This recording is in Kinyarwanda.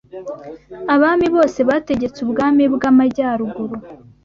abami bose bategetse ubwami bw’amajyaruguru